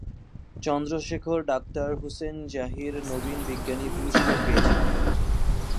Chandrashekhar doctor Hussain Zahir নবীন বিজ্ঞানী পুরস্কার পেয়েছিলেন।